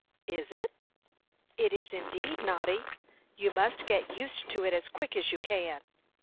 "Is it?" "It is indeed, Noddy. You must get used to it as quick as you can."